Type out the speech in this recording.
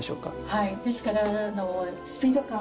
はいですから。